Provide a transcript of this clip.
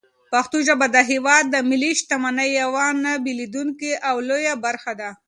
پښتو ژبه د هېواد د ملي شتمنۍ یوه نه بېلېدونکې او لویه برخه ده.